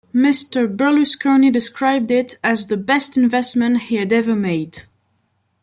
Mr. Berlusconi described it as the best investment he had ever made.